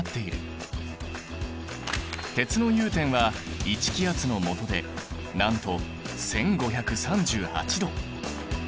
鉄の融点は１気圧のもとでなんと１，５３８℃！